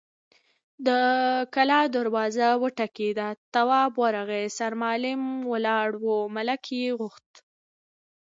د کلا دروازه وټکېده، تواب ورغی، سرمعلم ولاړ و، ملک يې غوښت.